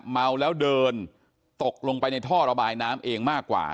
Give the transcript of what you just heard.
เมาแล้วเดินตกลงไปในท่อระบายน้ำเองมากกว่า